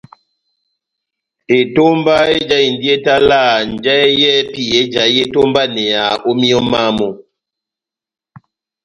Etomba ejahindi etalaha njahɛ yɛ́hɛ́pi éjahi etómbaneyaha ó míyɔ mámu.